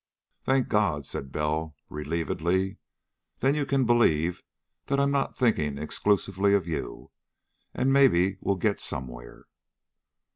"Thank God!" said Bell relievedly. "Then you can believe that I'm not thinking exclusively of you, and maybe we'll get somewhere."